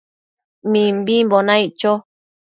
Mimbimbo naic cho